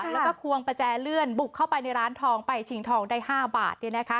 แล้วก็ควงประแจเลื่อนบุกเข้าไปในร้านทองไปฉิงทองได้ห้าบาทเนี่ยนะคะ